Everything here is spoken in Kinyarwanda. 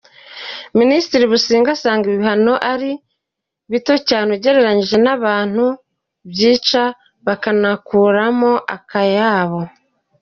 Minisitiri Busingye asanga ibi bihano ari bito cyane ugereranyije n’abantu byica, bakanakuramo akayabo.